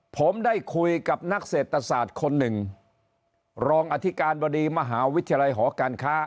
ผมได้คุยกับนักเศรษฐศาสตร์คนหนึ่งรองอธิการบดีมหาวิทยาลัยหอการค้า